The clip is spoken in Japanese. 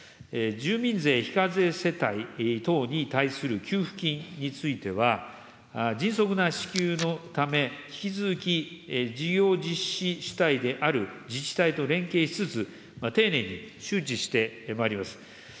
住民税非課税世帯等に対する給付金については、迅速な支給のため、引き続き事業実施である自治体と連携しつつ、丁寧に周知してまいります。